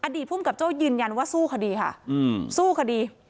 ภูมิกับโจ้ยืนยันว่าสู้คดีค่ะสู้คดี